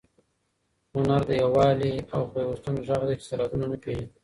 هنر د یووالي او پیوستون غږ دی چې سرحدونه نه پېژني.